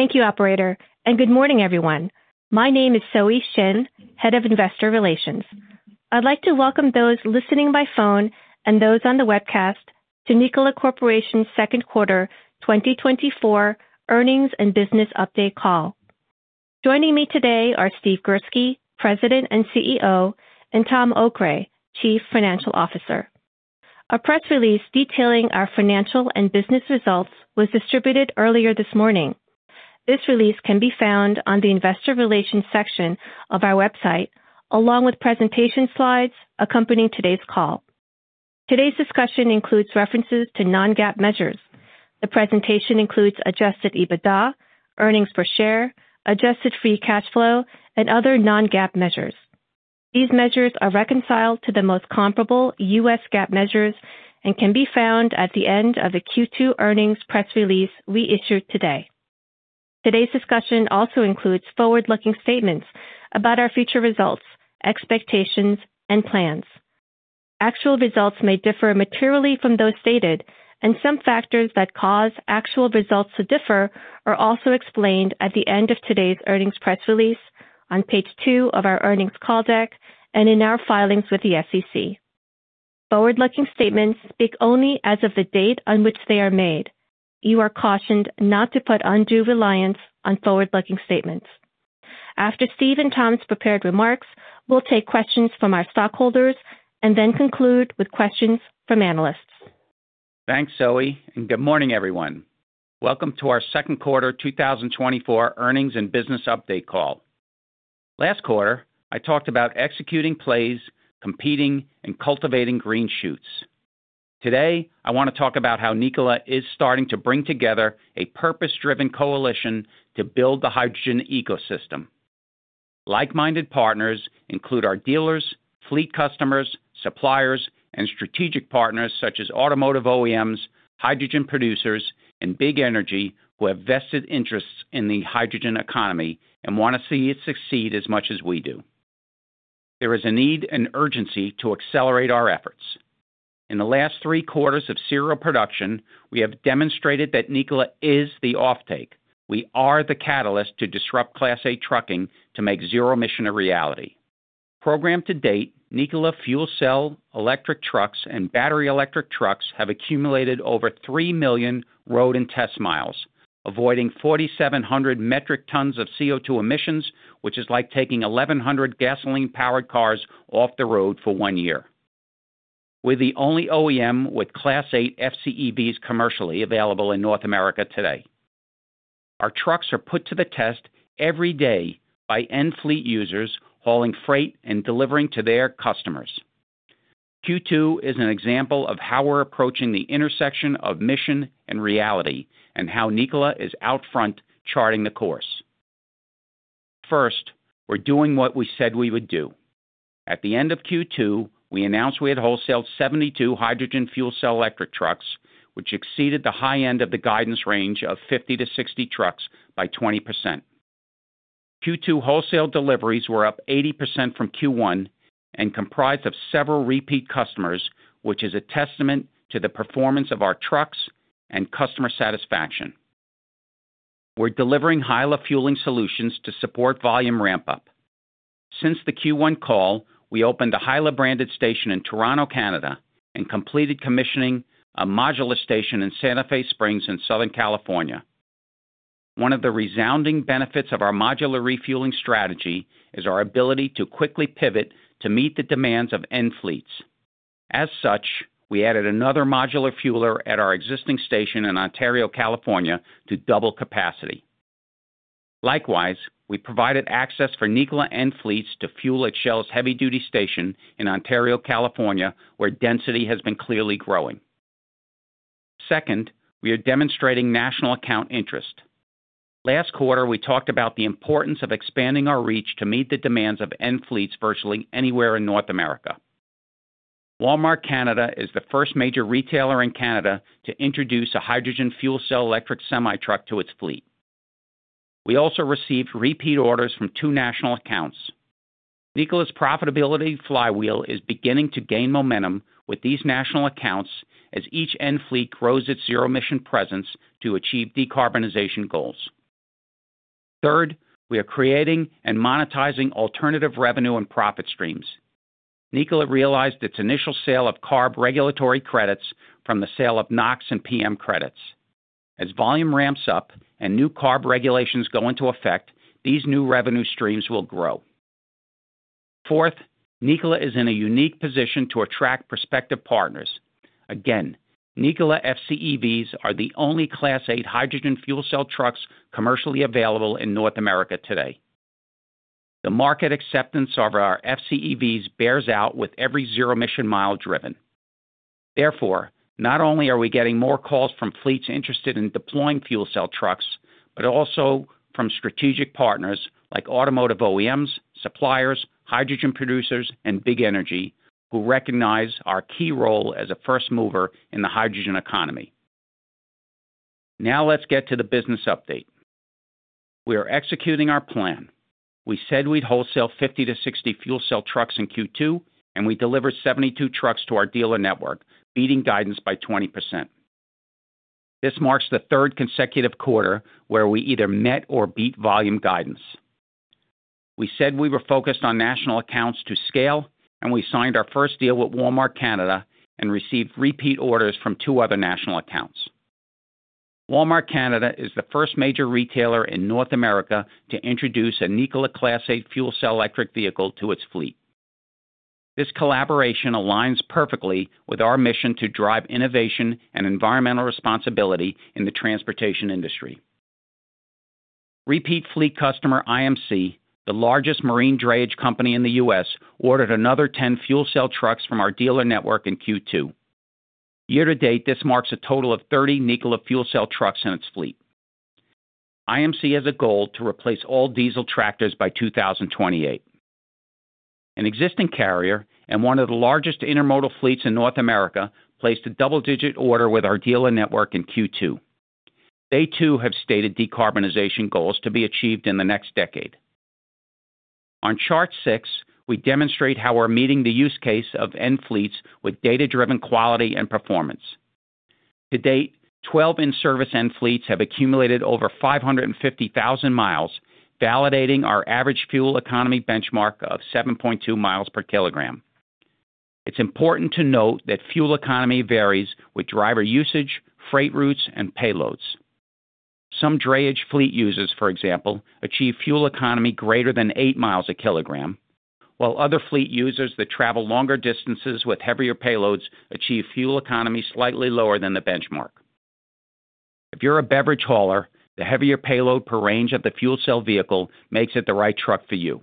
Thank you, operator, and good morning, everyone. My name is Zoe Shin, Head of Investor Relations. I'd like to welcome those listening by phone and those on the webcast to Nikola Corporation's second quarter 2024 earnings and business update call. Joining me today are Steve Girsky, President and CEO, and Tom Okray, Chief Financial Officer. A press release detailing our financial and business results was distributed earlier this morning. This release can be found on the investor relations section of our website, along with presentation slides accompanying today's call. Today's discussion includes references to non-GAAP measures. The presentation includes Adjusted EBITDA, earnings per share, Adjusted Free Cash Flow, and other non-GAAP measures. These measures are reconciled to the most comparable US GAAP measures and can be found at the end of the Q2 earnings press release we issued today. Today's discussion also includes forward-looking statements about our future results, expectations, and plans. Actual results may differ materially from those stated, and some factors that cause actual results to differ are also explained at the end of today's earnings press release, on page two of our earnings call deck, and in our filings with the SEC. Forward-looking statements speak only as of the date on which they are made. You are cautioned not to put undue reliance on forward-looking statements. After Steve and Tom's prepared remarks, we'll take questions from our stockholders and then conclude with questions from analysts. Thanks, Zoe, and good morning, everyone. Welcome to our Second Quarter 2024 Earnings and Business Update Call. Last quarter, I talked about executing plays, competing, and cultivating green shoots. Today, I want to talk about how Nikola is starting to bring together a purpose-driven coalition to build the hydrogen ecosystem. Like-minded partners include our dealers, fleet customers, suppliers, and strategic partners such as automotive OEMs, hydrogen producers, and big energy, who have vested interests in the hydrogen economy and want to see it succeed as much as we do. There is a need and urgency to accelerate our efforts. In the last three quarters of serial production, we have demonstrated that Nikola is the offtake. We are the catalyst to disrupt Class eight trucking to make zero-emission a reality. To date, Nikola fuel cell electric trucks and battery electric trucks have accumulated over 3 million road and test miles, avoiding 4,700 metric tons of CO2 emissions, which is like taking 1,100 gasoline-powered cars off the road for one year. We're the only OEM with Class eight FCEVs commercially available in North America today. Our trucks are put to the test every day by end fleet users hauling freight and delivering to their customers. Q2 is an example of how we're approaching the intersection of mission and reality and how Nikola is out front charting the course. First, we're doing what we said we would do. At the end of Q2, we announced we had wholesaled 72 hydrogen fuel cell electric trucks, which exceeded the high end of the guidance range of 50-60 trucks by 20%. Q2 wholesale deliveries were up 80% from Q1 and comprised of several repeat customers, which is a testament to the performance of our trucks and customer satisfaction. We're delivering HYLA fueling solutions to support volume ramp-up. Since the Q1 call, we opened a HYLA-branded station in Toronto, Canada, and completed commissioning a modular station in Santa Fe Springs in Southern California. One of the resounding benefits of our modular refueling strategy is our ability to quickly pivot to meet the demands of end fleets. As such, we added another modular fueler at our existing station in Ontario, California, to double capacity. Likewise, we provided access for Nikola end fleets to fuel at Shell's heavy-duty station in Ontario, California, where density has been clearly growing. Second, we are demonstrating national account interest. Last quarter, we talked about the importance of expanding our reach to meet the demands of end fleets virtually anywhere in North America. Walmart Canada is the first major retailer in Canada to introduce a hydrogen fuel cell electric semi-truck to its fleet. We also received repeat orders from two national accounts. Nikola's profitability flywheel is beginning to gain momentum with these national accounts as each end fleet grows its zero-emission presence to achieve decarbonization goals. Third, we are creating and monetizing alternative revenue and profit streams. Nikola realized its initial sale of CARB regulatory credits from the sale of NOx and PM credits. As volume ramps up and new CARB regulations go into effect, these new revenue streams will grow. Fourth, Nikola is in a unique position to attract prospective partners. Again, Nikola FCEVs are the only Class eight hydrogen fuel cell trucks commercially available in North America today. The market acceptance of our FCEVs bears out with every zero-emission mile driven. Therefore, not only are we getting more calls from fleets interested in deploying fuel cell trucks, but also from strategic partners like automotive OEMs, suppliers, hydrogen producers, and big energy, who recognize our key role as a first mover in the hydrogen economy. Now let's get to the business update. We are executing our plan. We said we'd wholesale 50-60 fuel cell trucks in Q2, and we delivered 72 trucks to our dealer network, beating guidance by 20%. This marks the third consecutive quarter where we either met or beat volume guidance. We said we were focused on national accounts to scale, and we signed our first deal with Walmart Canada and received repeat orders from two other national accounts. Walmart Canada is the first major retailer in North America to introduce a Nikola Class eight fuel cell electric vehicle to its fleet. This collaboration aligns perfectly with our mission to drive innovation and environmental responsibility in the transportation industry. Repeat fleet customer IMC, the largest marine drayage company in the U.S., ordered another 10 fuel cell trucks from our dealer network in Q2. Year to date, this marks a total of 30 Nikola fuel cell trucks in its fleet. IMC has a goal to replace all diesel tractors by 2028. An existing carrier and one of the largest intermodal fleets in North America placed a double-digit order with our dealer network in Q2. They, too, have stated decarbonization goals to be achieved in the next decade. On Chart six, we demonstrate how we're meeting the use case of end fleets with data-driven quality and performance. To date, 12 in-service end fleets have accumulated over 550,000 miles, validating our average fuel economy benchmark of 7.2 miles per kilogram. It's important to note that fuel economy varies with driver usage, freight routes, and payloads. Some drayage fleet users, for example, achieve fuel economy greater than eight miles a kilogram, while other fleet users that travel longer distances with heavier payloads achieve fuel economy slightly lower than the benchmark. If you're a beverage hauler, the heavier payload per range of the fuel cell vehicle makes it the right truck for you.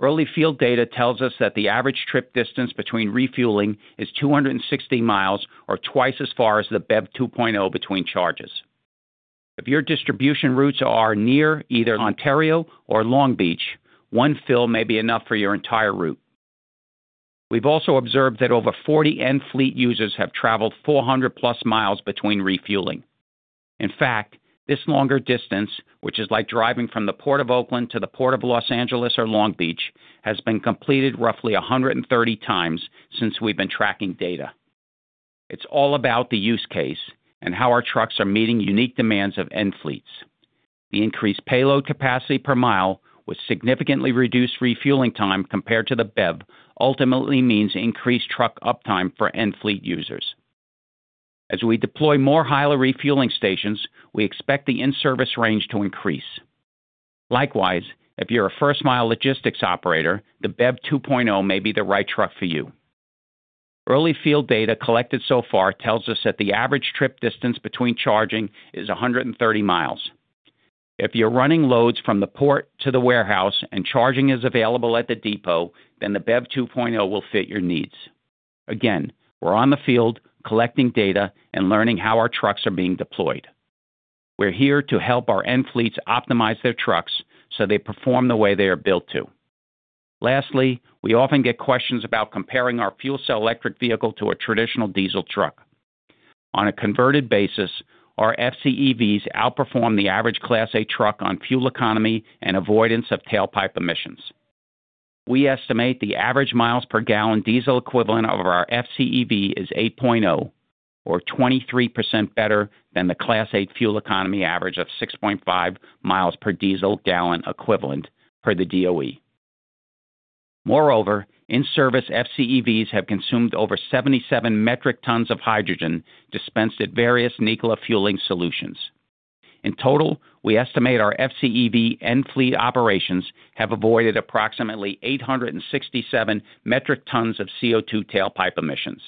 Early field data tells us that the average trip distance between refueling is 260 miles, or twice as far as the BEV 2.0 between charges. If your distribution routes are near either Ontario or Long Beach, one fill may be enough for your entire route. We've also observed that over 40 end fleet users have traveled 400+ miles between refueling. In fact, this longer distance, which is like driving from the Port of Oakland to the Port of Los Angeles or Long Beach, has been completed roughly 130 times since we've been tracking data. It's all about the use case and how our trucks are meeting unique demands of end fleets. The increased payload capacity per mile, with significantly reduced refueling time compared to the BEV, ultimately means increased truck uptime for end fleet users. As we deploy more HYLA refueling stations, we expect the in-service range to increase. Likewise, if you're a first-mile logistics operator, the BEV 2.0 may be the right truck for you. Early field data collected so far tells us that the average trip distance between charging is 130 miles. If you're running loads from the port to the warehouse and charging is available at the depot, then the BEV 2.0 will fit your needs. Again, we're on the field collecting data and learning how our trucks are being deployed. We're here to help our end fleets optimize their trucks so they perform the way they are built to. Lastly, we often get questions about comparing our fuel cell electric vehicle to a traditional diesel truck. On a converted basis, our FCEVs outperform the average Class eight truck on fuel economy and avoidance of tailpipe emissions. We estimate the average miles per gallon diesel equivalent of our FCEV is 8.0, or 23% better than the Class eight fuel economy average of 6.5 miles per diesel gallon equivalent per the DOE. Moreover, in-service FCEVs have consumed over 77 metric tons of hydrogen dispensed at various Nikola fueling solutions. In total, we estimate our FCEV end fleet operations have avoided approximately 867 metric tons of CO2 tailpipe emissions.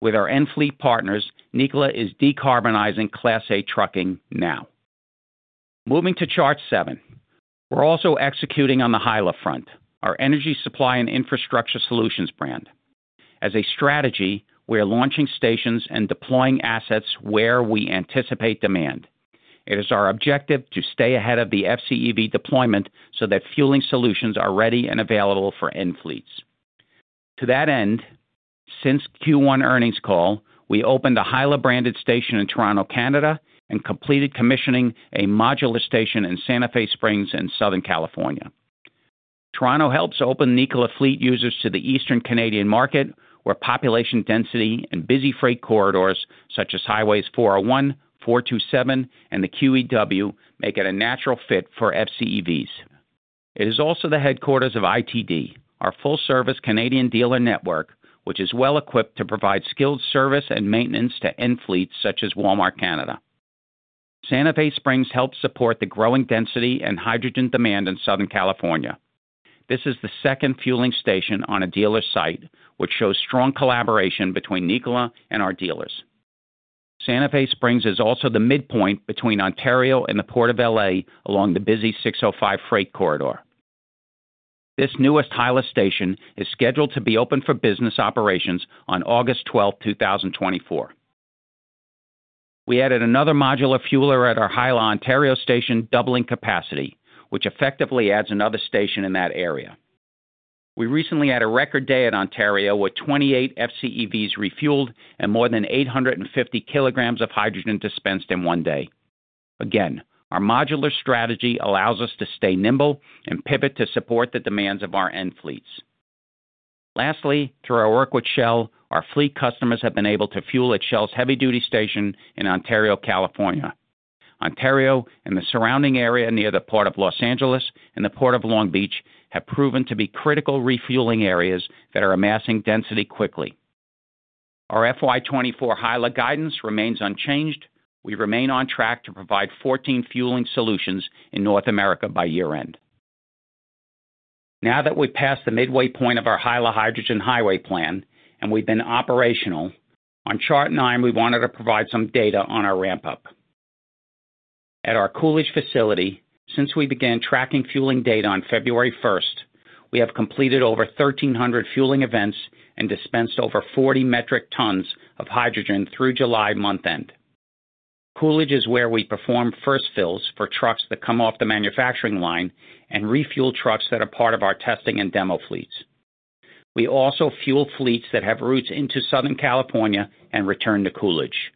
With our end fleet partners, Nikola is decarbonizing Class eight trucking now. Moving to chart seven. We're also executing on the HYLA front, our energy supply and infrastructure solutions brand. As a strategy, we are launching stations and deploying assets where we anticipate demand. It is our objective to stay ahead of the FCEV deployment, so that fueling solutions are ready and available for end fleets. To that end, since Q1 earnings call, we opened a HYLA-branded station in Toronto, Canada, and completed commissioning a modular station in Santa Fe Springs in Southern California. Toronto helps open Nikola fleet users to the Eastern Canadian market, where population density and busy freight corridors such as Highways 401, 427, and the QEW, make it a natural fit for FCEVs. It is also the headquarters of ITD, our full-service Canadian dealer network, which is well-equipped to provide skilled service and maintenance to end fleets such as Walmart Canada. Santa Fe Springs helps support the growing density and hydrogen demand in Southern California. This is the second fueling station on a dealer site, which shows strong collaboration between Nikola and our dealers. Santa Fe Springs is also the midpoint between Ontario and the Port of L.A., along the busy 605 freight corridor. This newest HYLA station is scheduled to be open for business operations on August 12th, 2024. We added another modular fueler at our HYLA Ontario station, doubling capacity, which effectively adds another station in that area. We recently had a record day at Ontario, with 28 FCEVs refueled and more than 850 kg of hydrogen dispensed in one day. Again, our modular strategy allows us to stay nimble and pivot to support the demands of our end fleets. Lastly, through our work with Shell, our fleet customers have been able to fuel at Shell's heavy-duty station in Ontario, California. Ontario and the surrounding area near the Port of Los Angeles and the Port of Long Beach have proven to be critical refueling areas that are amassing density quickly. Our FY 2024 HYLA guidance remains unchanged. We remain on track to provide 14 fueling solutions in North America by year-end. Now that we've passed the midway point of our HYLA Hydrogen Highway plan, and we've been operational, on chart nine, we wanted to provide some data on our ramp-up. At our Coolidge facility, since we began tracking fueling data on February 1st, we have completed over 1,300 fueling events and dispensed over 40 metric tons of hydrogen through July month-end. Coolidge is where we perform first fills for trucks that come off the manufacturing line and refuel trucks that are part of our testing and demo fleets. We also fuel fleets that have routes into Southern California and return to Coolidge.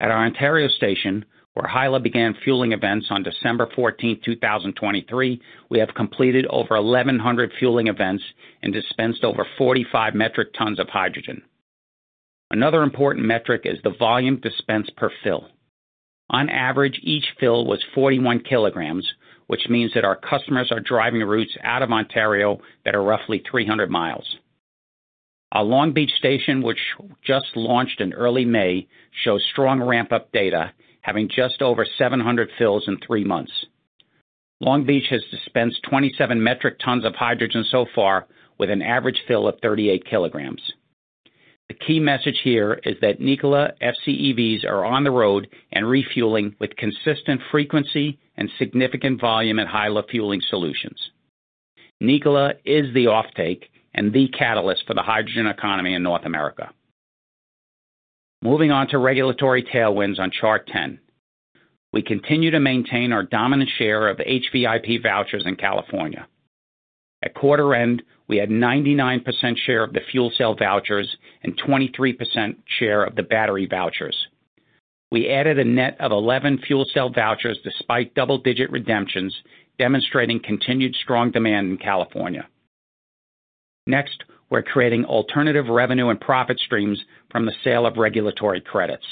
At our Ontario station, where HYLA began fueling events on December 14th, 2023, we have completed over 1,100 fueling events and dispensed over 45 metric tons of hydrogen. Another important metric is the volume dispensed per fill. On average, each fill was 41 kg, which means that our customers are driving routes out of Ontario that are roughly 300 miles. Our Long Beach station, which just launched in early May, shows strong ramp-up data, having just over 700 fills in three months. Long Beach has dispensed 27 metric tons of hydrogen so far, with an average fill of 38 kg. The key message here is that Nikola FCEVs are on the road and refueling with consistent frequency and significant volume at HYLA Fueling Solutions. Nikola is the offtake and the catalyst for the hydrogen economy in North America. Moving on to regulatory tailwinds on Chart 10. We continue to maintain our dominant share of HVIP vouchers in California. At quarter end, we had 99% share of the fuel cell vouchers and 23% share of the battery vouchers. We added a net of 11 fuel cell vouchers despite double-digit redemptions, demonstrating continued strong demand in California. Next, we're creating alternative revenue and profit streams from the sale of regulatory credits.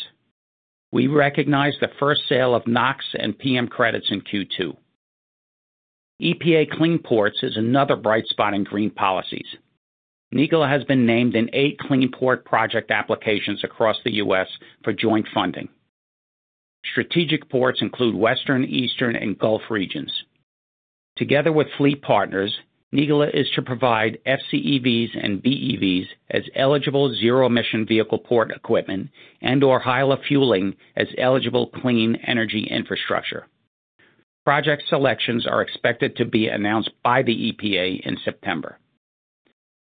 We recognized the first sale of NOx and PM credits in Q2. EPA Clean Ports is another bright spot in green policies. Nikola has been named in eight Clean Port project applications across the U.S. for joint funding. Strategic ports include Western, Eastern, and Gulf regions. Together with fleet partners, Nikola is to provide FCEVs and BEVs as eligible zero-emission vehicle port equipment and/or HYLA fueling as eligible clean energy infrastructure. Project selections are expected to be announced by the EPA in September.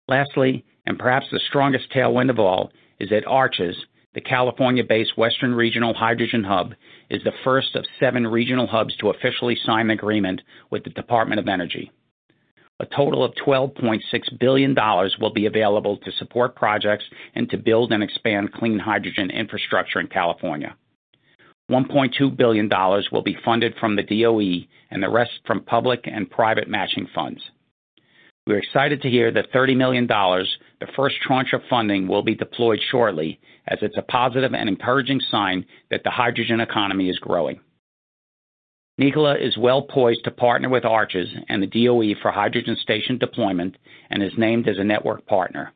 Lastly, and perhaps the strongest tailwind of all, is that ARCHES, the California-based Western Regional Hydrogen Hub, is the first of seven regional hubs to officially sign an agreement with the Department of Energy. A total of $12.6 billion will be available to support projects and to build and expand clean hydrogen infrastructure in California. $1.2 billion will be funded from the DOE and the rest from public and private matching funds. We're excited to hear that $30 million, the first tranche of funding, will be deployed shortly, as it's a positive and encouraging sign that the hydrogen economy is growing. Nikola is well-poised to partner with ARCHES and the DOE for hydrogen station deployment and is named as a network partner.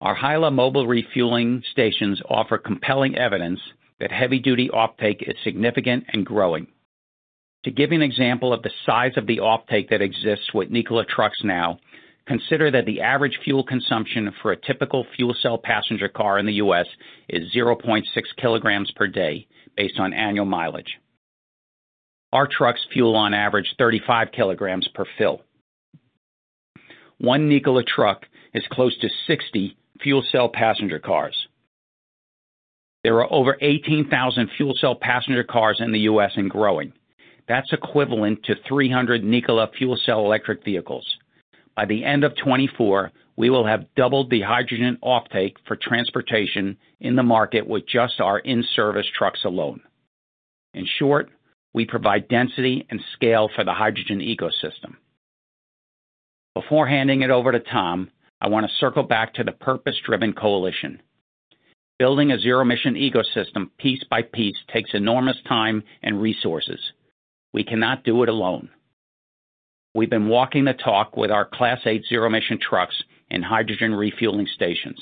Our HYLA mobile refueling stations offer compelling evidence that heavy-duty offtake is significant and growing. To give you an example of the size of the offtake that exists with Nikola trucks now, consider that the average fuel consumption for a typical fuel cell passenger car in the U.S. is 0.6 kg per day, based on annual mileage. Our trucks fuel on average 35 kg per fill. One Nikola truck is close to 60 fuel cell passenger cars. There are over 18,000 fuel cell passenger cars in the U.S. and growing. That's equivalent to 300 Nikola fuel cell electric vehicles. By the end of 2024, we will have doubled the hydrogen offtake for transportation in the market with just our in-service trucks alone. In short, we provide density and scale for the hydrogen ecosystem. Before handing it over to Tom, I want to circle back to the purpose-driven coalition. Building a zero-emission ecosystem piece by piece takes enormous time and resources. We cannot do it alone. We've been walking the talk with our Class eight zero-emission trucks and hydrogen refueling stations.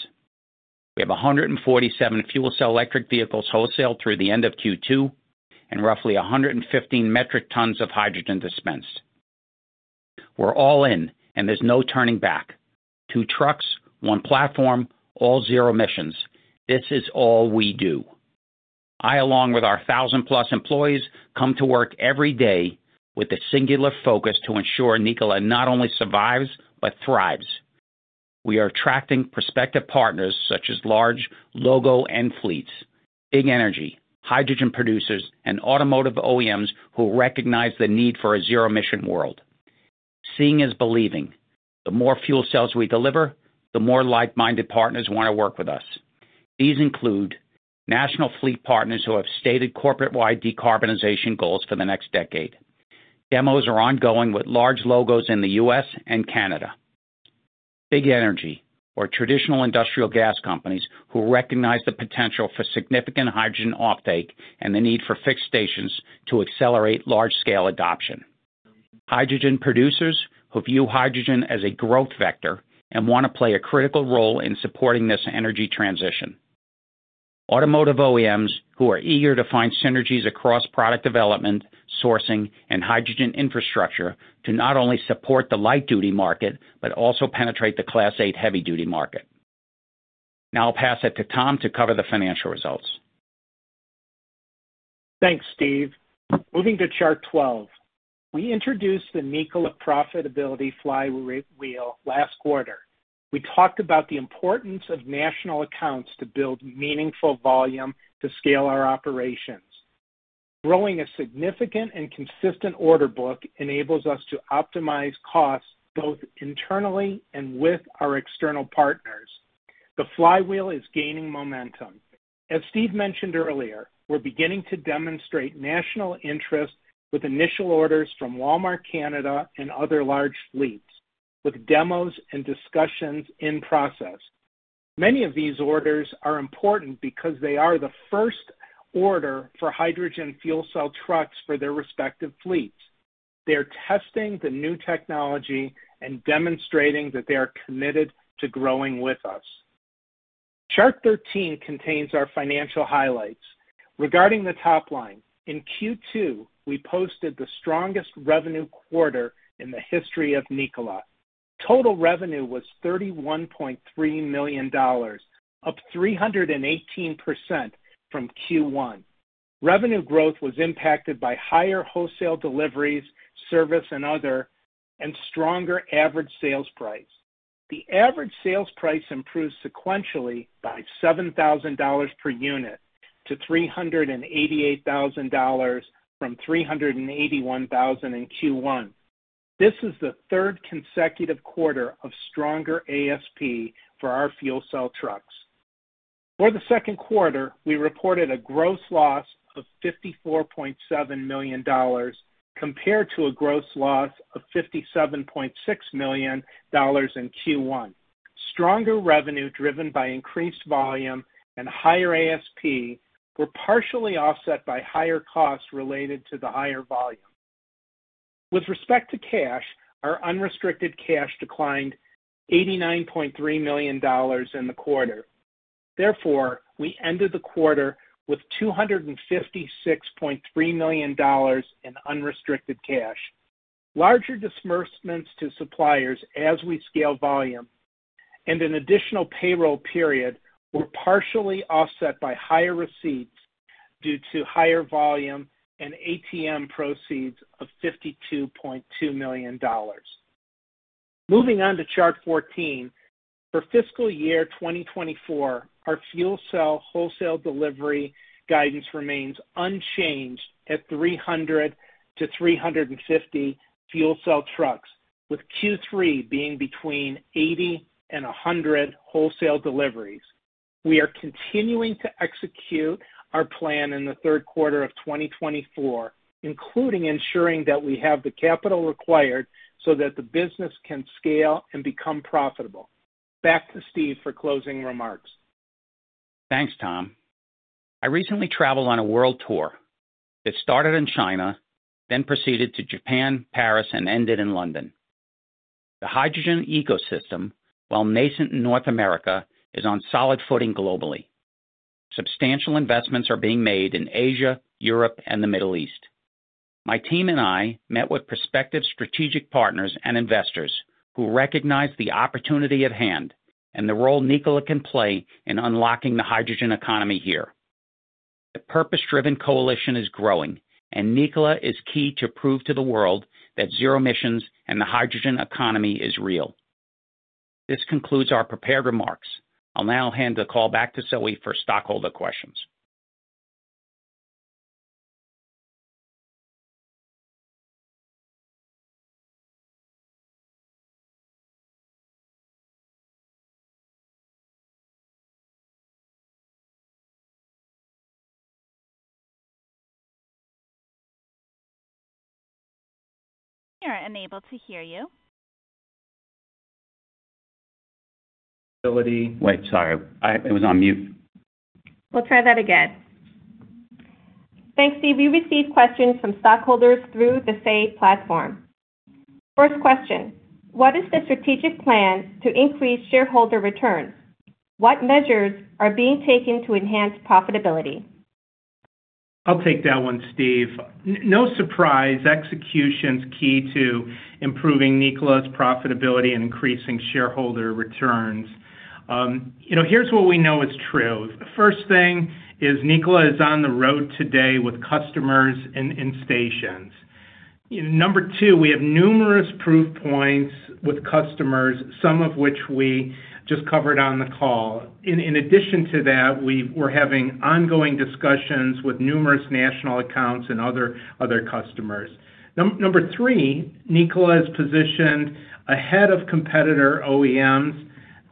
We have 147 fuel cell electric vehicles wholesaled through the end of Q2 and roughly 115 metric tons of hydrogen dispensed. We're all in, and there's no turning back. Two trucks, one platform, all zero emissions. This is all we do. I, along with our 1,000+ employees, come to work every day with a singular focus to ensure Nikola not only survives but thrives. We are attracting prospective partners such as large logo and fleets, big energy, hydrogen producers, and automotive OEMs who recognize the need for a zero-emission world. Seeing is believing. The more fuel cells we deliver, the more like-minded partners want to work with us. These include national fleet partners who have stated corporate-wide decarbonization goals for the next decade. Demos are ongoing with large logos in the U.S. and Canada. Big energy or traditional industrial gas companies who recognize the potential for significant hydrogen offtake and the need for fixed stations to accelerate large-scale adoption. Hydrogen producers who view hydrogen as a growth vector and want to play a critical role in supporting this energy transition. Automotive OEMs who are eager to find synergies across product development, sourcing, and hydrogen infrastructure to not only support the light-duty market but also penetrate the Class eight heavy-duty market. Now I'll pass it to Tom to cover the financial results. Thanks, Steve. Moving to Chart 12, we introduced the Nikola profitability flywheel last quarter. We talked about the importance of national accounts to build meaningful volume to scale our operations. Growing a significant and consistent order book enables us to optimize costs both internally and with our external partners. The flywheel is gaining momentum. As Steve mentioned earlier, we're beginning to demonstrate national interest with initial orders from Walmart Canada and other large fleets, with demos and discussions in process. Many of these orders are important because they are the first order for hydrogen fuel cell trucks for their respective fleets. They are testing the new technology and demonstrating that they are committed to growing with us. Chart 13 contains our financial highlights. Regarding the top line, in Q2, we posted the strongest revenue quarter in the history of Nikola. Total revenue was $31.3 million, up 318% from Q1. Revenue growth was impacted by higher wholesale deliveries, service and other, and stronger average sales price. The average sales price improved sequentially by $7,000 per unit to $388,000 from $381,000 in Q1. This is the third consecutive quarter of stronger ASP for our fuel cell trucks. For the second quarter, we reported a gross loss of $54.7 million compared to a gross loss of $57.6 million in Q1. Stronger revenue, driven by increased volume and higher ASP, were partially offset by higher costs related to the higher volume. With respect to cash, our unrestricted cash declined $89.3 million in the quarter. Therefore, we ended the quarter with $256.3 million in unrestricted cash. Larger disbursements to suppliers as we scale volume and an additional payroll period were partially offset by higher receipts due to higher volume and ATM proceeds of $52.2 million. Moving on to chart 14. For fiscal year 2024, our fuel cell wholesale delivery guidance remains unchanged at 300-350 fuel cell trucks, with Q3 being between 80 and 100 wholesale deliveries. We are continuing to execute our plan in the third quarter of 2024, including ensuring that we have the capital required so that the business can scale and become profitable. Back to Steve for closing remarks. Thanks, Tom. I recently traveled on a world tour that started in China, then proceeded to Japan, Paris, and ended in London. The hydrogen ecosystem, while nascent in North America, is on solid footing globally. Substantial investments are being made in Asia, Europe, and the Middle East. My team and I met with prospective strategic partners and investors who recognize the opportunity at hand and the role Nikola can play in unlocking the hydrogen economy here. The purpose-driven coalition is growing, and Nikola is key to prove to the world that zero emissions and the hydrogen economy is real. This concludes our prepared remarks. I'll now hand the call back to Zoe for stockholder questions. We are unable to hear you. Ability- Wait, sorry, it was on mute. We'll try that again. Thanks, Steve. We received questions from stockholders through the FAY platform. First question: What is the strategic plan to increase shareholder returns? What measures are being taken to enhance profitability? I'll take that one, Steve. No surprise, execution's key to improving Nikola's profitability and increasing shareholder returns. You know, here's what we know is true. The first thing is Nikola is on the road today with customers in stations. Number two, we have numerous proof points with customers, some of which we just covered on the call. In addition to that, we're having ongoing discussions with numerous national accounts and other customers. Number three, Nikola is positioned ahead of competitor OEMs.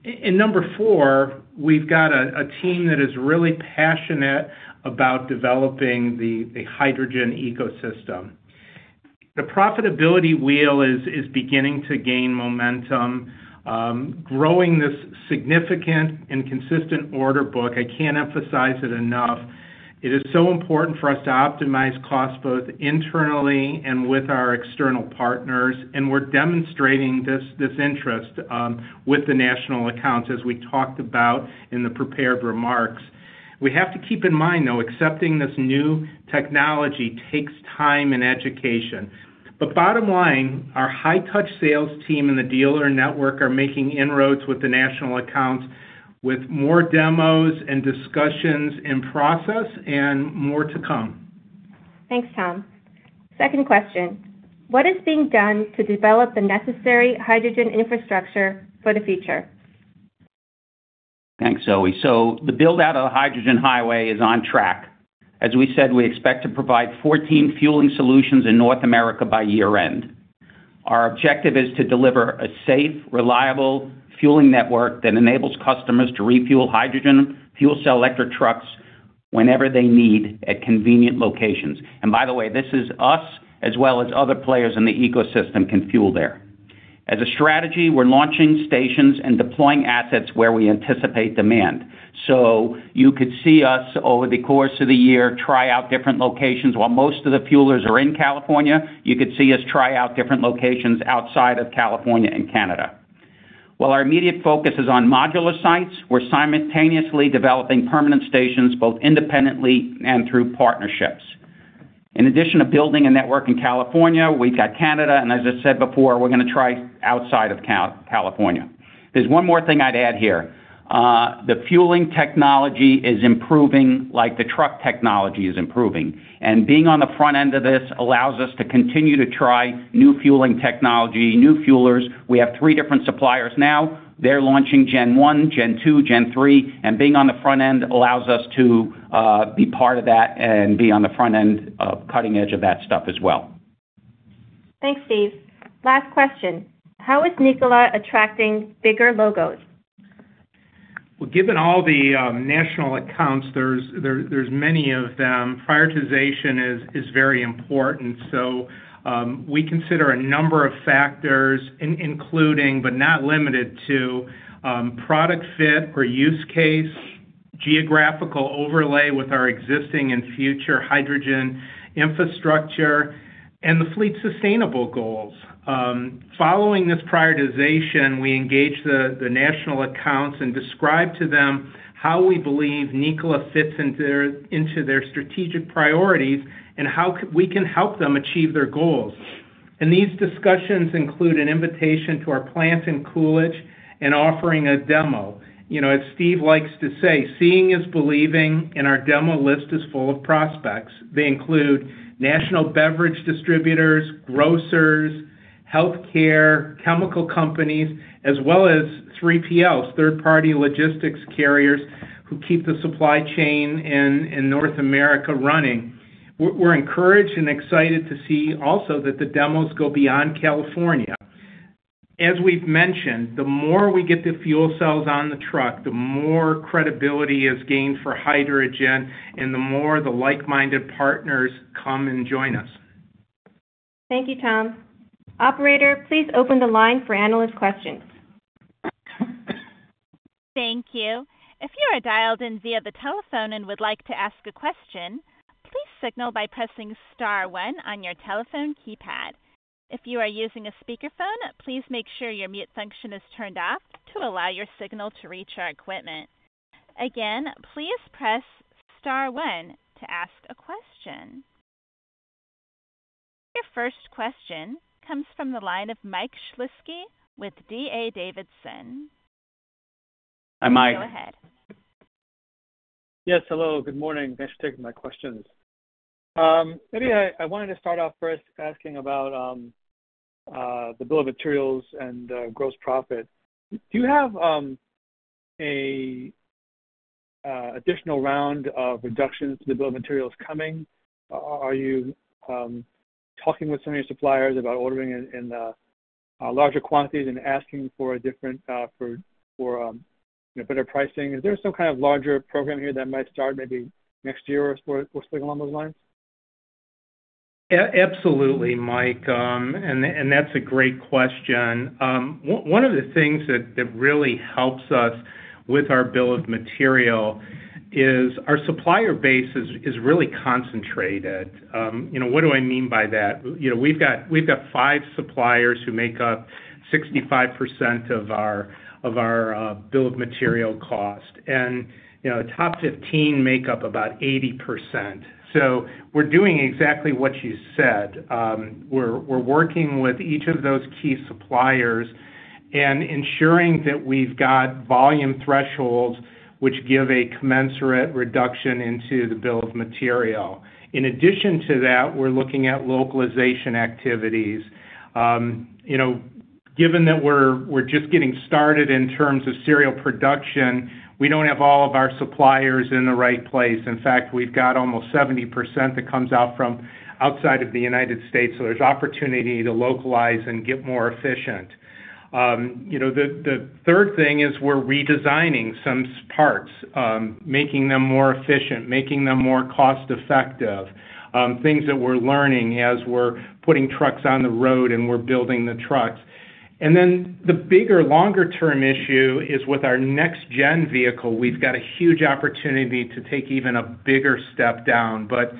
And number four, we've got a team that is really passionate about developing the hydrogen ecosystem. The profitability wheel is beginning to gain momentum, growing this significant and consistent order book. I can't emphasize it enough. It is so important for us to optimize costs, both internally and with our external partners, and we're demonstrating this interest with the national accounts, as we talked about in the prepared remarks. We have to keep in mind, though, accepting this new technology takes time and education. But bottom line, our high-touch sales team and the dealer network are making inroads with the national accounts, with more demos and discussions in process and more to come. Thanks, Tom. Second question: What is being done to develop the necessary hydrogen infrastructure for the future? Thanks, Zoe. So the build-out of the Hydrogen Highway is on track. As we said, we expect to provide 14 fueling solutions in North America by year-end. Our objective is to deliver a safe, reliable fueling network that enables customers to refuel hydrogen fuel cell electric trucks whenever they need at convenient locations. And by the way, this is us as well as other players in the ecosystem can fuel there. As a strategy, we're launching stations and deploying assets where we anticipate demand. So you could see us, over the course of the year, try out different locations. While most of the fuelers are in California, you could see us try out different locations outside of California and Canada. While our immediate focus is on modular sites, we're simultaneously developing permanent stations, both independently and through partnerships. In addition to building a network in California, we've got Canada, and as I said before, we're going to try outside of California. There's one more thing I'd add here. The fueling technology is improving, like the truck technology is improving, and being on the front end of this allows us to continue to try new fueling technology, new fuelers. We have three different suppliers now. They're launching Gen1, Gen2, Gen3, and being on the front end allows us to be part of that and be on the front end of cutting-edge of that stuff as well. Thanks, Steve. Last question: How is Nikola attracting bigger logos? Well, given all the national accounts, there's many of them. Prioritization is very important. So, we consider a number of factors, including, but not limited to, product fit or use case, geographical overlay with our existing and future hydrogen infrastructure, and the fleet's sustainable goals. Following this prioritization, we engage the national accounts and describe to them how we believe Nikola fits into their strategic priorities and how we can help them achieve their goals. And these discussions include an invitation to our plant in Coolidge and offering a demo. You know, as Steve likes to say, "Seeing is believing," and our demo list is full of prospects. They include national beverage distributors, grocers, healthcare, chemical companies, as well as 3PLs, third-party logistics carriers, who keep the supply chain in North America running. We're encouraged and excited to see also that the demos go beyond California. As we've mentioned, the more we get the fuel cells on the truck, the more credibility is gained for hydrogen and the more the like-minded partners come and join us. Thank you, Tom. Operator, please open the line for analyst questions. Thank you. If you are dialed in via the telephone and would like to ask a question, please signal by pressing star one on your telephone keypad. If you are using a speakerphone, please make sure your mute function is turned off to allow your signal to reach our equipment. Again, please press star one to ask a question. Your first question comes from the line of Mike Shlisky with D.A. Davidson. Hi, Mike. Go ahead. Yes, hello, good morning. Thanks for taking my questions. Maybe I wanted to start off first asking about the bill of materials and gross profit. Do you have an additional round of reductions in the bill of materials coming? Are you talking with some of your suppliers about ordering in larger quantities and asking for different for better pricing? Is there some kind of larger program here that might start maybe next year or so, or something along those lines? Absolutely, Mike, and that's a great question. One of the things that really helps us with our bill of material is our supplier base is really concentrated. You know, what do I mean by that? You know, we've got five suppliers who make up 65% of our bill of material cost, and, you know, top 15 make up about 80%. So we're doing exactly what you said. We're working with each of those key suppliers and ensuring that we've got volume thresholds, which give a commensurate reduction into the bill of material. In addition to that, we're looking at localization activities. You know, given that we're just getting started in terms of serial production, we don't have all of our suppliers in the right place. In fact, we've got almost 70% that comes out from outside of the United States, so there's opportunity to localize and get more efficient. You know, the third thing is we're redesigning some parts, making them more efficient, making them more cost-effective, things that we're learning as we're putting trucks on the road and we're building the trucks. And then the bigger, longer term issue is with our next gen vehicle, we've got a huge opportunity to take even a bigger step down. But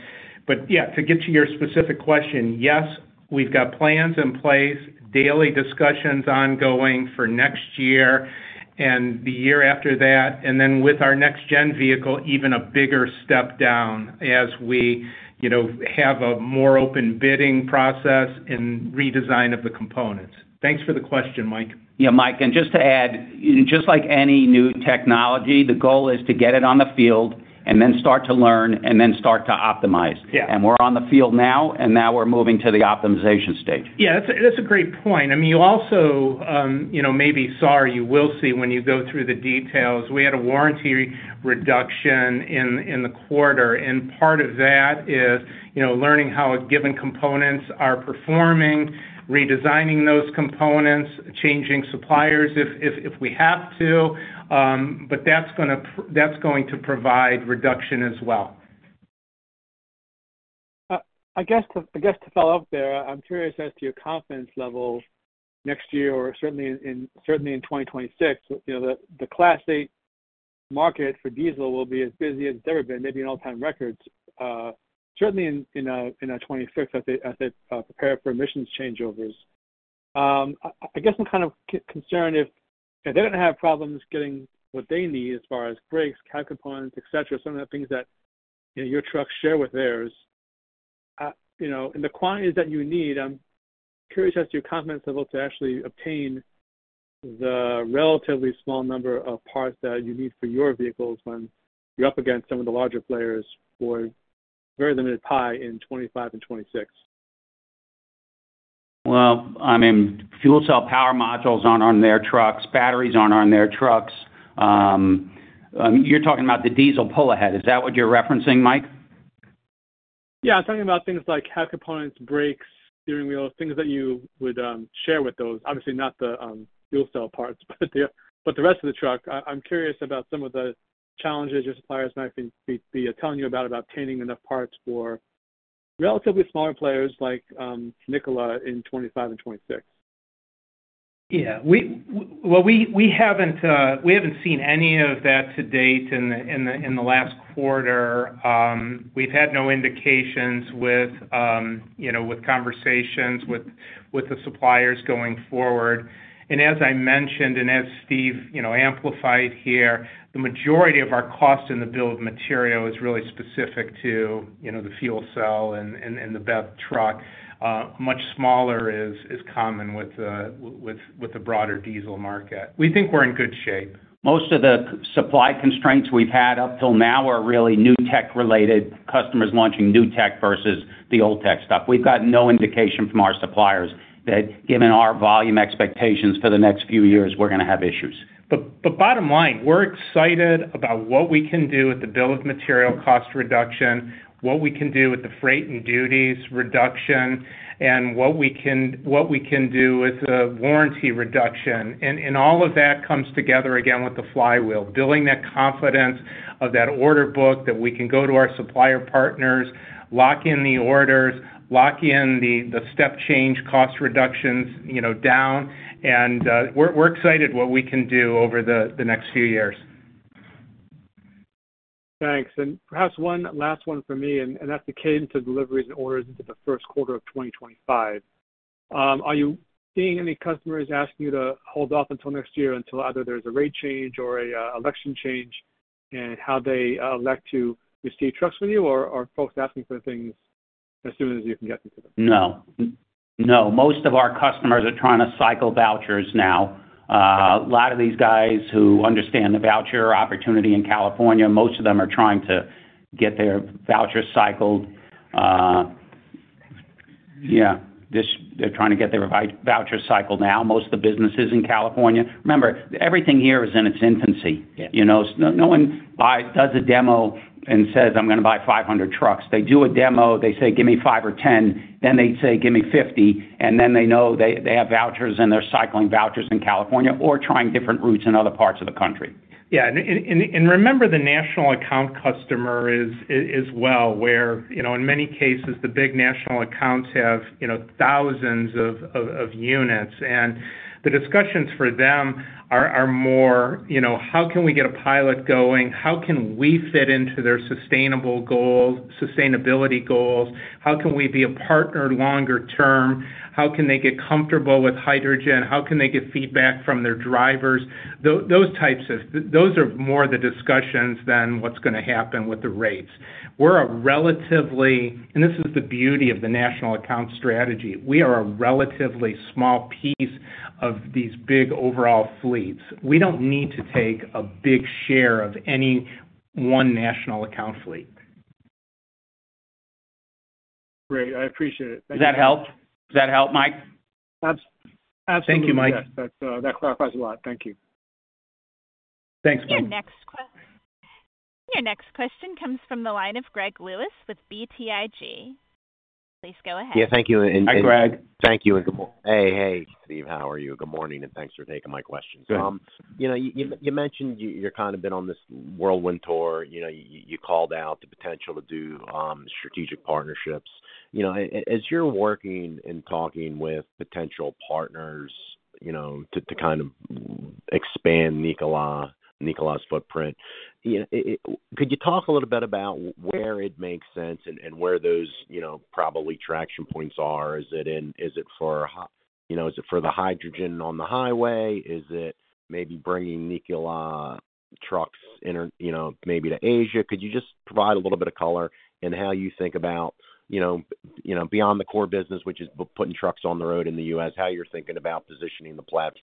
yeah, to get to your specific question, yes, we've got plans in place, daily discussions ongoing for next year and the year after that, and then with our next gen vehicle, even a bigger step down as we, you know, have a more open bidding process and redesign of the components. Thanks for the question, Mike. Yeah, Mike, and just to add, just like any new technology, the goal is to get it on the field and then start to learn, and then start to optimize. Yeah. We're on the field now, and now we're moving to the optimization stage. Yeah, that's a great point. I mean, you also, you know, maybe saw, or you will see when you go through the details, we had a warranty reduction in the quarter, and part of that is, you know, learning how given components are performing, redesigning those components, changing suppliers if we have to, but that's going to provide reduction as well. I guess to follow up there, I'm curious as to your confidence level next year, or certainly in 2026. You know, the Class eight market for diesel will be as busy as it's ever been, maybe an all-time record, certainly in, you know, in 2026, as they prepare for emissions changeovers. I guess I'm kind of concerned if they're gonna have problems getting what they need as far as brakes, cab components, et cetera, some of the things that, you know, your trucks share with theirs, you know, and the quantities that you need. I'm curious as to your confidence level to actually obtain the relatively small number of parts that you need for your vehicles when you're up against some of the larger players for very limited pie in 2025 and 2026. Well, I mean, Fuel Cell Power Modules aren't on their trucks. Batteries aren't on their trucks. You're talking about the diesel pull ahead. Is that what you're referencing, Mike? Yeah, I'm talking about things like cab components, brakes, steering wheels, things that you would share with those. Obviously, not the fuel cell parts, but the rest of the truck. I'm curious about some of the challenges your suppliers might be telling you about obtaining enough parts for relatively smaller players like Nikola in 2025 and 2026. Yeah, we haven't seen any of that to date in the last quarter. We've had no indications with, you know, with conversations with the suppliers going forward. And as I mentioned, as Steve, you know, amplified here, the majority of our cost in the bill of material is really specific to, you know, the fuel cell and the BEV truck. Much smaller is common with the broader diesel market. We think we're in good shape. Most of the supply constraints we've had up till now are really new tech-related, customers launching new tech versus the old tech stuff. We've got no indication from our suppliers that given our volume expectations for the next few years, we're gonna have issues. But bottom line, we're excited about what we can do with the bill of material cost reduction, what we can do with the freight and duties reduction, and what we can do with the warranty reduction. And all of that comes together again with the flywheel, building that confidence of that order book, that we can go to our supplier partners, lock in the orders, lock in the step change cost reductions, you know, and we're excited what we can do over the next few years. Thanks. Perhaps one last one from me, and that's the cadence of deliveries and orders into the first quarter of 2025. Are you seeing any customers asking you to hold off until next year, until either there's a rate change or an election change, and how they elect to receive trucks with you, or are folks asking for things as soon as you can get them? No, no, most of our customers are trying to cycle vouchers now. A lot of these guys who understand the voucher opportunity in California, most of them are trying to get their vouchers cycled. Yeah, just they're trying to get their voucher cycled now, most of the businesses in California. Remember, everything here is in its infancy. Yeah. You know, no, no one does a demo and says, "I'm gonna buy 500 trucks." They do a demo, they say, "Give me five or 10." Then they say, "Give me 50," and then they know they, they have vouchers, and they're cycling vouchers in California or trying different routes in other parts of the country. Yeah, remember, the national account customer is well aware. Where, you know, in many cases, the big national accounts have, you know, thousands of units, and the discussions for them are more, you know, how can we get a pilot going? How can we fit into their sustainability goals? How can we be a partner longer term? How can they get comfortable with hydrogen? How can they get feedback from their drivers? Those types of. Those are more the discussions than what's gonna happen with the rates. We're a relatively. And this is the beauty of the national account strategy, we are a relatively small piece of these big overall fleets. We don't need to take a big share of any one national account fleet. Great, I appreciate it. Thank you. Does that help? Does that help, Mike? That's absolutely. Thank you, Mike. That, that clarifies a lot. Thank you. Thanks, Mike. Your next question comes from the line of Greg Lewis with BTIG. Please go ahead. Yeah, thank you, and. Hi, Greg. Thank you, and good morning. Hey, hey, Steve, how are you? Good morning, and thanks for taking my question. Good. You know, you mentioned you're kind of been on this whirlwind tour. You know, you called out the potential to do strategic partnerships. You know, as you're working and talking with potential partners, you know, to kind of expand Nikola's footprint, you know, could you talk a little bit about where it makes sense and where those, you know, probably traction points are? Is it for the hydrogen on the highway? Is it maybe bringing Nikola trucks in, you know, maybe to Asia? Could you just provide a little bit of color in how you think about, you know, beyond the core business, which is putting trucks on the road in the U.S., how you're thinking about positioning the platform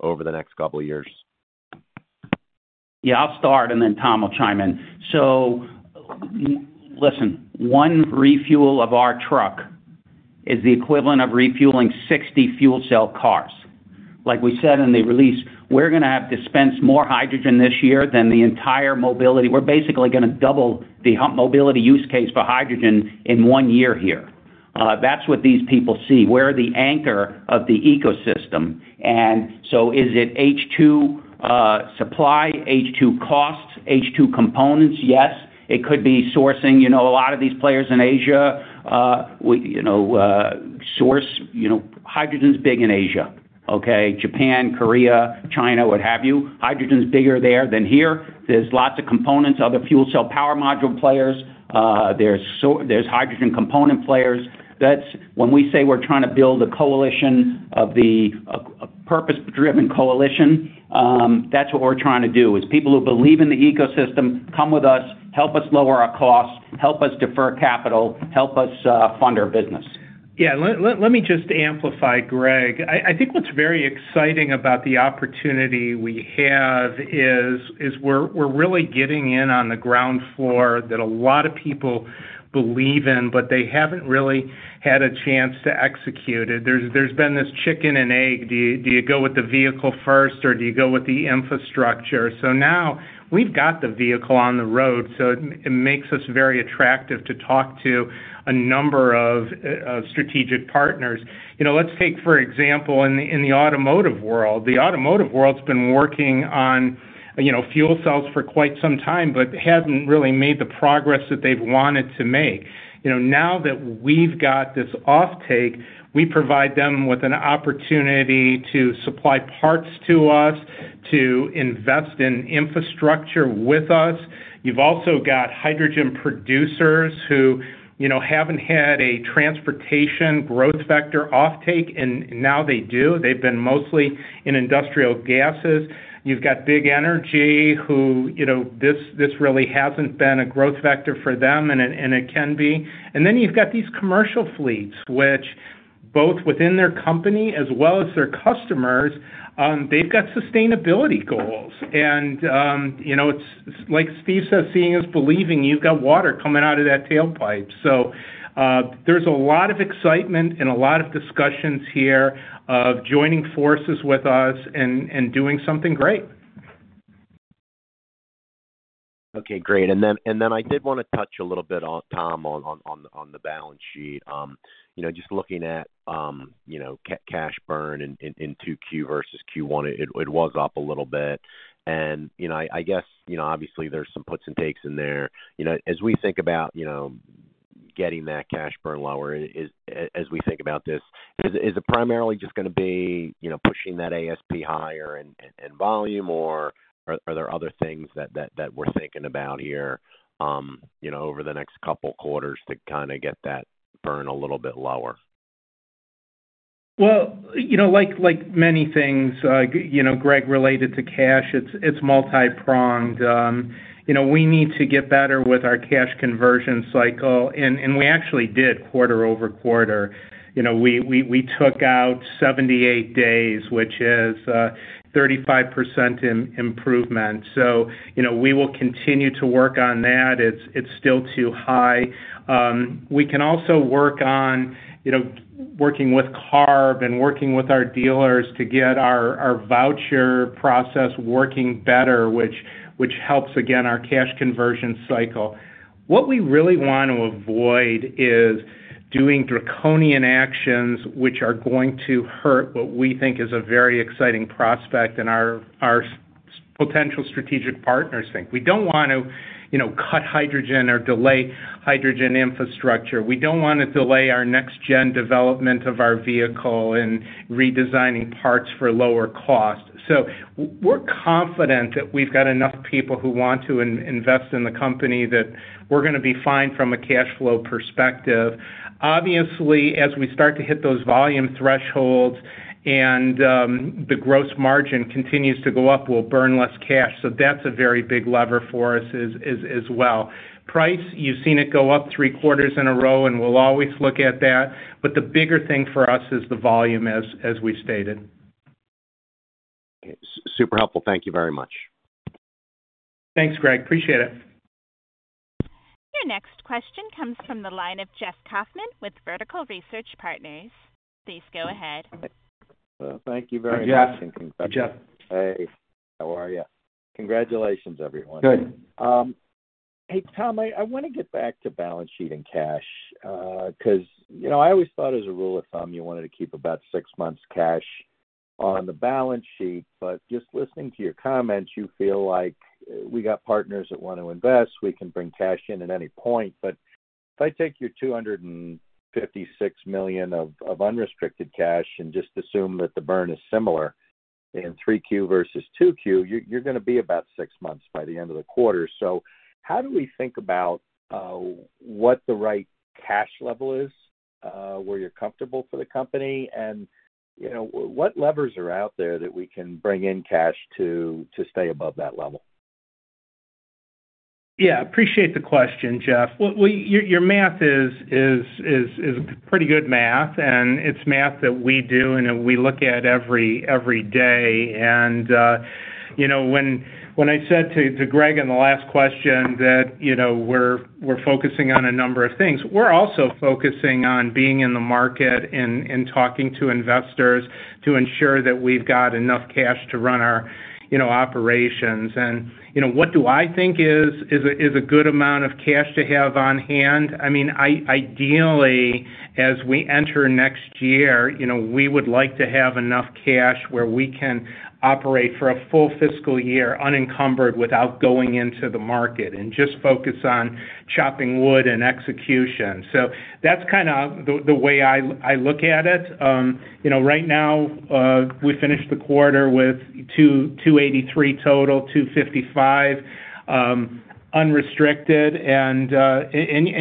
over the next couple of years? Yeah, I'll start, and then Tom will chime in. So listen, one refuel of our truck is the equivalent of refueling 60 fuel cell cars. Like we said in the release, we're gonna have to dispense more hydrogen this year than the entire mobility. We're basically gonna double the HYLA mobility use case for hydrogen in one year here. That's what these people see, we're the anchor of the ecosystem. And so is it H2 supply, H2 costs, H2 components? Yes, it could be sourcing. You know, a lot of these players in Asia, we source, you know, hydrogen is big in Asia, okay? Japan, Korea, China, what have you. Hydrogen is bigger there than here. There's lots of components, other Fuel Cell Power Module players. There's hydrogen component players. That's when we say we're trying to build a purpose-driven coalition, that's what we're trying to do, is people who believe in the ecosystem, come with us, help us lower our costs, help us defer capital, help us fund our business. Yeah, let me just amplify, Greg. I think what's very exciting about the opportunity we have is we're really getting in on the ground floor that a lot of people believe in, but they haven't really had a chance to execute it. There's been this chicken and egg. Do you go with the vehicle first, or do you go with the infrastructure? So now we've got the vehicle on the road, so it makes us very attractive to talk to a number of strategic partners. You know, let's take, for example, in the automotive world. The automotive world's been working on, you know, fuel cells for quite some time, but hadn't really made the progress that they've wanted to make. You know, now that we've got this offtake, we provide them with an opportunity to supply parts to us, to invest in infrastructure with us. You've also got hydrogen producers who, you know, haven't had a transportation growth vector offtake, and now they do. They've been mostly in industrial gases. You've got big energy who, you know, this, this really hasn't been a growth vector for them, and it, and it can be. And then you've got these commercial fleets, which both within their company as well as their customers, they've got sustainability goals. And, you know, it's like Steve says, seeing is believing. You've got water coming out of that tailpipe. So, there's a lot of excitement and a lot of discussions here of joining forces with us and, and doing something great. Okay, great. And then I did wanna touch a little bit on, Tom, on the balance sheet. You know, just looking at, you know, cash burn in 2Q versus Q1, it was up a little bit. And, you know, I guess, you know, obviously there's some puts and takes in there. You know, as we think about, you know, getting that cash burn lower, as we think about this, is it primarily just gonna be, you know, pushing that ASP higher and volume, or are there other things that we're thinking about here, you know, over the next couple quarters to kind of get that burn a little bit lower? Well, you know, like, like many things, you know, Greg, related to cash, it's multipronged. You know, we need to get better with our cash conversion cycle, and we actually did quarter-over-quarter. You know, we took out 78 days, which is 35% improvement. So, you know, we will continue to work on that. It's still too high. We can also work on, you know, working with CARB and working with our dealers to get our voucher process working better, which helps, again, our cash conversion cycle. What we really want to avoid is doing draconian actions, which are going to hurt what we think is a very exciting prospect and our potential strategic partners think. We don't want to, you know, cut hydrogen or delay hydrogen infrastructure. We don't wanna delay our next-gen development of our vehicle and redesigning parts for lower cost. So we're confident that we've got enough people who want to invest in the company, that we're gonna be fine from a cash flow perspective. Obviously, as we start to hit those volume thresholds and the gross margin continues to go up, we'll burn less cash. So that's a very big lever for us as well. Price, you've seen it go up three quarters in a row, and we'll always look at that, but the bigger thing for us is the volume, as we stated. ...Okay, super helpful. Thank you very much. Thanks, Greg. Appreciate it. Your next question comes from the line of Jeff Kauffman with Vertical Research Partners. Please go ahead. Well, thank yo. very much- Jeff. Hey, Jeff. Hey, how are you? Congratulations, everyone. Good. Hey, Tom, I wanna get back to balance sheet and cash, 'cause, you know, I always thought as a rule of thumb, you wanted to keep about six months cash on the balance sheet, but just listening to your comments, you feel like we got partners that want to invest. We can bring cash in at any point. But if I take your $256 million of unrestricted cash and just assume that the burn is similar in 3Q versus 2Q, you're gonna be about six months by the end of the quarter. So how do we think about what the right cash level is, where you're comfortable for the company? And, you know, what levers are out there that we can bring in cash to stay above that level? Yeah, appreciate the question, Jeff. Well, your math is pretty good math, and it's math that we do, and that we look at every day. And, you know, when I said to Greg in the last question that, you know, we're focusing on a number of things, we're also focusing on being in the market and talking to investors to ensure that we've got enough cash to run our, you know, operations. And, you know, what do I think is a good amount of cash to have on hand? I mean, ideally, as we enter next year, you know, we would like to have enough cash where we can operate for a full fiscal year, unencumbered, without going into the market and just focus on chopping wood and execution. So that's kind of the way I look at it. You know, right now, we finished the quarter with $283 total, $255 unrestricted. And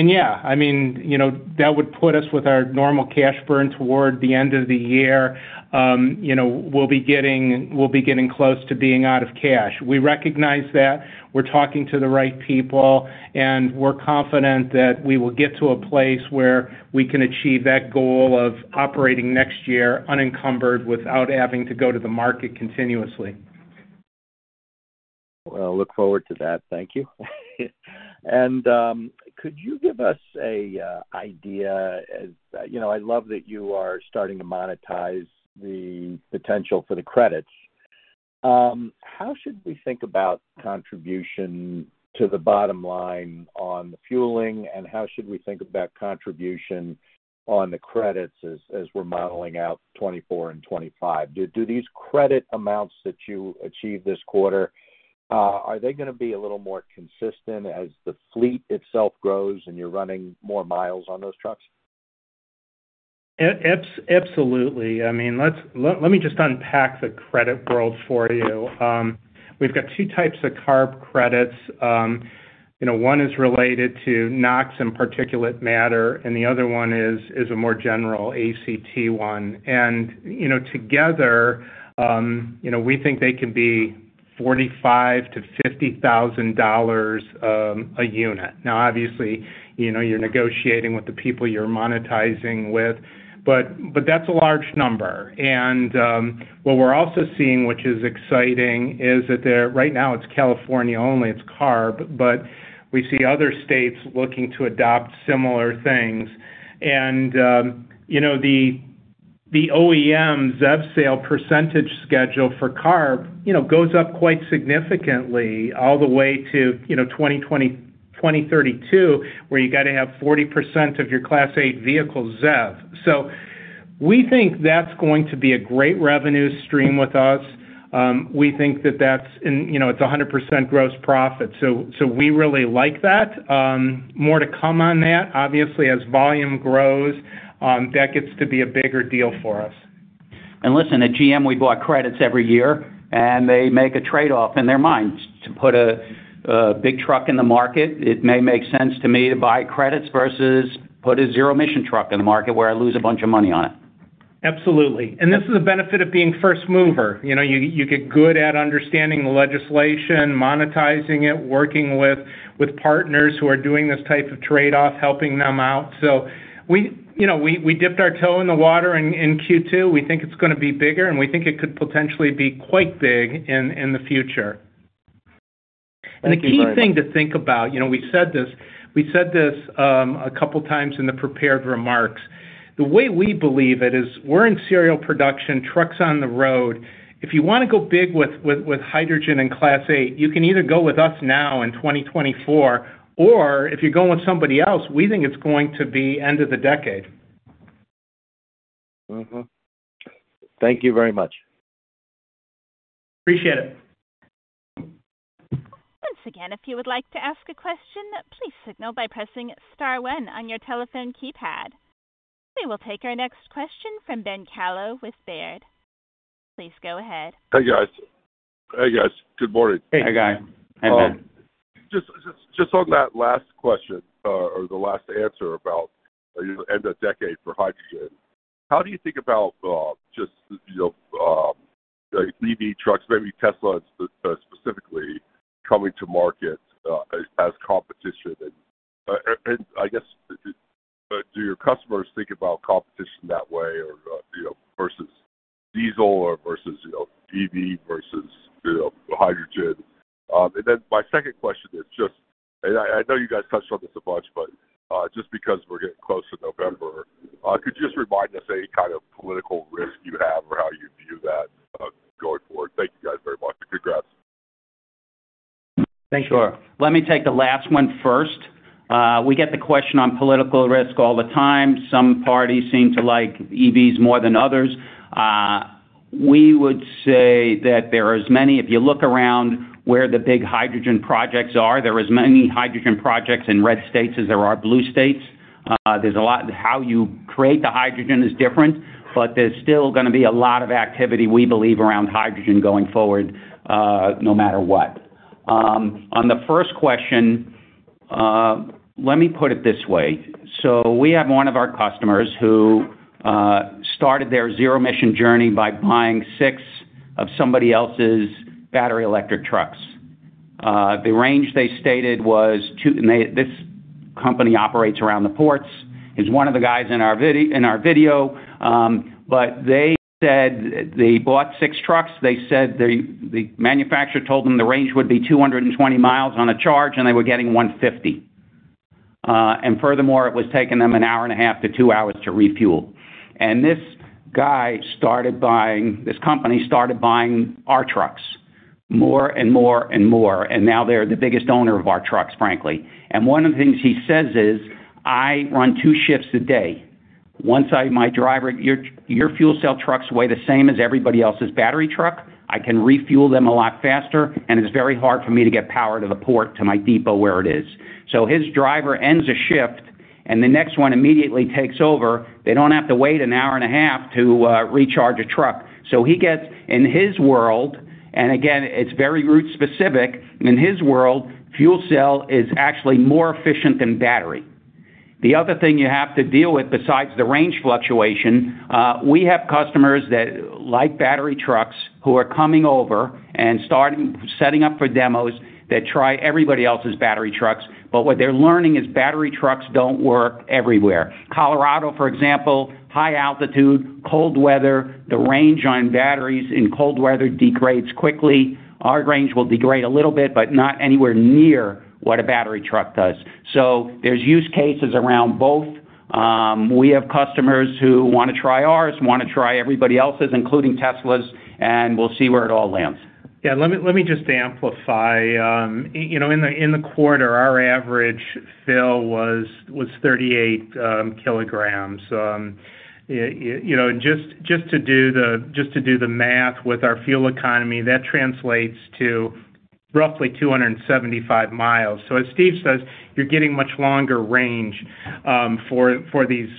yeah, I mean, you know, that would put us with our normal cash burn toward the end of the year. You know, we'll be getting close to being out of cash. We recognize that, we're talking to the right people, and we're confident that we will get to a place where we can achieve that goal of operating next year unencumbered, without having to go to the market continuously. Well, I look forward to that. Thank you. And, could you give us a, idea as... You know, I love that you are starting to monetize the potential for the credits. How should we think about contribution to the bottom line on the fueling, and how should we think about contribution on the credits as we're modeling out 2024 and 2025? Do these credit amounts that you achieved this quarter, are they gonna be a little more consistent as the fleet itself grows and you're running more miles on those trucks? Absolutely. I mean, let me just unpack the credit world for you. We've got two types of carb credits. You know, one is related to NOx and particulate matter, and the other one is a more general ACT one. And, you know, together, you know, we think they can be $45,000-$50,000 a unit. Now, obviously, you know, you're negotiating with the people you're monetizing with, but that's a large number. And, what we're also seeing, which is exciting, is that there right now it's California only, it's carb, but we see other states looking to adopt similar things. You know, the OEM ZEV sale percentage schedule for CARB, you know, goes up quite significantly all the way to, you know, 2020, 2032, where you got to have 40% of your Class eight vehicles ZEV. So we think that's going to be a great revenue stream with us. We think that that's, and, you know, it's 100% gross profit, so we really like that. More to come on that. Obviously, as volume grows, that gets to be a bigger deal for us. Listen, at GM, we bought credits every year, and they make a trade-off in their minds. To put a big truck in the market, it may make sense to me to buy credits versus put a zero-emission truck in the market where I lose a bunch of money on it. Absolutely. This is a benefit of being first mover. You know, you get good at understanding the legislation, monetizing it, working with partners who are doing this type of trade-off, helping them out. So, you know, we dipped our toe in the water in Q2. We think it's gonna be bigger, and we think it could potentially be quite big in the future. Thank you, Greg. The key thing to think about, you know, we said this, we said this, a couple times in the prepared remarks: the way we believe it is we're in serial production, trucks on the road. If you wanna go big with hydrogen and Class eight, you can either go with us now in 2024, or if you're going with somebody else, we think it's going to be end of the decade. Mm-hmm. Thank you very much. Appreciate it. Once again, if you would like to ask a question, please signal by pressing star one on your telephone keypad. We will take our next question from Ben Kallo with Baird. Please go ahead. Hey, guys. Hey, guys. Good morning. Hey. Hi, guys. Hi, Ben. Just on that last question or the last answer about, you know, end of decade for hydrogen, how do you think about just, you know, EV trucks, maybe Tesla specifically, coming to market as competition? And I guess, but do your customers think about competition that way or, you know, versus diesel or versus, you know, EV, versus, you know, hydrogen? And then my second question is just, I know you guys touched on this a bunch, but just because we're getting close to November, could you just remind us any kind of political risk you have or how you view that going forward? Thank you, guys, very much, and congrats. Thanks. Sure. Let me take the last one first. We get the question on political risk all the time. Some parties seem to like EVs more than others. We would say that there are as many- if you look around where the big hydrogen projects are, there are as many hydrogen projects in red states as there are blue states. There's a lot. How you create the hydrogen is different, but there's still gonna be a lot of activity, we believe, around hydrogen going forward, no matter what. On the first question, let me put it this way: so we have one of our customers who started their zero-emission journey by buying six of somebody else's battery electric trucks. The range they stated was two, and they, this company operates around the ports. He's one of the guys in our video. But they said they bought six trucks. They said the manufacturer told them the range would be 220 miles on a charge, and they were getting 150. And furthermore, it was taking them 1.5-2 hours to refuel. And this guy started buying. This company started buying our trucks more and more and more, and now they're the biggest owner of our trucks, frankly. And one of the things he says is, "I run two shifts a day. Once my driver, your fuel cell trucks weigh the same as everybody else's battery truck, I can refuel them a lot faster, and it's very hard for me to get power to the port, to my depot, where it is." So his driver ends a shift, and the next one immediately takes over. They don't have to wait an hour and a half to recharge a truck. So he gets, in his world, and again, it's very route-specific, in his world, fuel cell is actually more efficient than battery. The other thing you have to deal with, besides the range fluctuation, we have customers that like battery trucks, who are coming over and setting up for demos that try everybody else's battery trucks, but what they're learning is battery trucks don't work everywhere. Colorado, for example, high altitude, cold weather, the range on batteries in cold weather degrades quickly. Our range will degrade a little bit, but not anywhere near what a battery truck does. So there's use cases around both. We have customers who wanna try ours, wanna try everybody else's, including Tesla's, and we'll see where it all lands. Yeah, let me just amplify. You know, in the quarter, our average fill was 38 kg. You know, just to do the math with our fuel economy, that translates to roughly 275 mi. So as Steve says, you're getting much longer range for these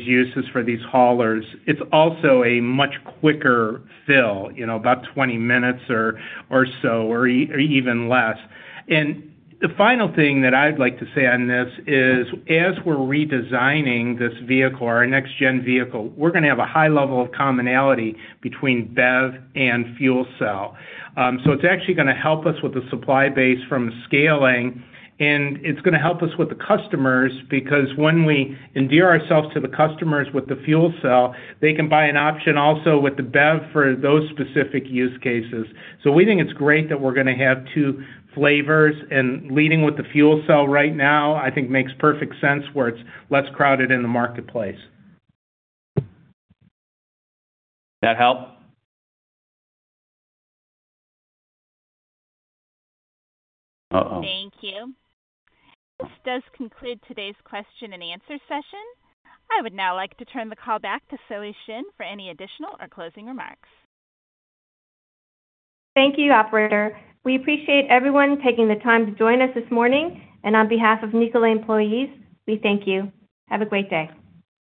uses, for these haulers. It's also a much quicker fill, you know, about 20 minutes or so, or even less. And the final thing that I'd like to say on this is, as we're redesigning this vehicle, our next-gen vehicle, we're gonna have a high level of commonality between BEV and fuel cell. So it's actually gonna help us with the supply base from scaling, and it's gonna help us with the customers, because when we endear ourselves to the customers with the fuel cell, they can buy an option also with the BEV for those specific use cases. So we think it's great that we're gonna have two flavors, and leading with the fuel cell right now, I think makes perfect sense, where it's less crowded in the marketplace. That help? Uh-uh. Thank you. This does conclude today's question and answer session. I would now like to turn the call back to Zoe Shin for any additional or closing remarks. Thank you, operator. We appreciate everyone taking the time to join us this morning, and on behalf of Nikola employees, we thank you. Have a great day.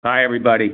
Bye, everybody.